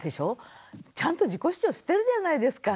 ちゃんと自己主張してるじゃないですか。